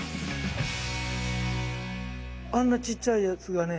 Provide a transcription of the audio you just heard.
あんなちっちゃいやつがね